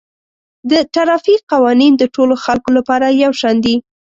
د ټرافیک قوانین د ټولو خلکو لپاره یو شان دي